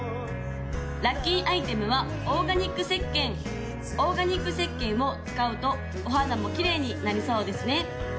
・ラッキーアイテムはオーガニック石鹸オーガニック石鹸を使うとお肌もきれいになりそうですね